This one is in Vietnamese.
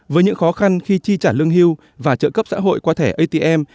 với những khó khăn khi chi trả lương hưu và trợ cấp xã hội qua thẻ atm